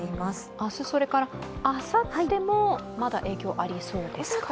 明日、あさってもまだ影響ありそうですか。